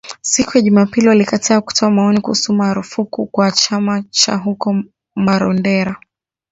siku ya Jumapili walikataa kutoa maoni kuhusu marufuku kwa chama cha huko Marondera